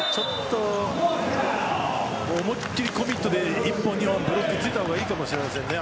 思いっきりコミットで１本、ブロックついたほうがいいかもしれないですね。